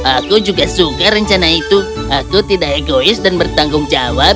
aku juga suka rencana itu aku tidak egois dan bertanggung jawab